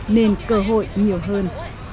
nên cơ hội nhiều hơn